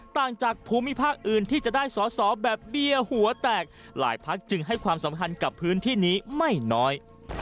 ต่างจากภูมิภาคอื่นที่จะได้สอสอแบบเบียร์หัวแตกหลายพักจึงให้ความสำคัญกับพื้นที่นี้ไม่น้อย